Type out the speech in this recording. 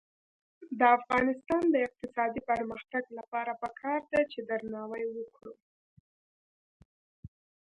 د افغانستان د اقتصادي پرمختګ لپاره پکار ده چې درناوی وکړو.